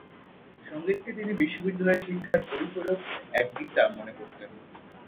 সংগীতকে তিনি বিদ্যালয়-শিক্ষার পরিপূরক এক বিদ্যা মনে করতেন।